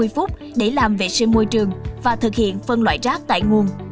ba mươi phút để làm vệ sinh môi trường và thực hiện phân loại rác tại nguồn